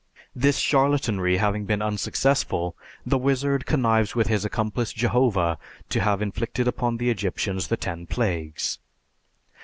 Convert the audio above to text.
This charlatanry having been unsuccessful, the wizard connives with his accomplice Jehovah to have inflicted upon the Egyptians the ten plagues.